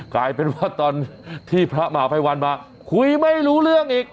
กลายเป็นว่าตอนที่พระมหาภัยวันมาคุยไม่รู้เรื่องอีก